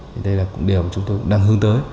thì đây là cũng điều chúng tôi đang hướng tới